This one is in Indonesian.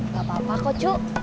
gak apa apa kok cuk